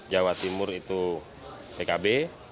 jawa timur itu pkb